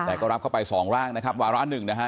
แต่ก็รับเข้าไป๒ร่างนะฮะ